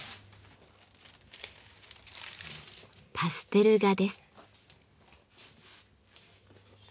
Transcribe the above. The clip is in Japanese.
パステル画です。